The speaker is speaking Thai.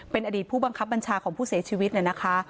เป็นอดีตผู้บังคับบัญชาของผู้เสียชีวิตเนี่ยนะคะ